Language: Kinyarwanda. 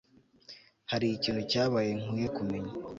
Hari ikintu cyabaye nkwiye kumenya